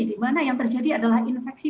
dimana yang terjadi adalah infeksi